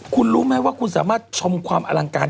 คุณรู้ไหมว่าคุณสามารถชมความอลังการ